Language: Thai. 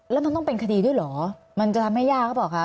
แล้วมันต้องเป็นคดีด้วยเหรอมันจะทำให้ยากหรือเปล่าคะ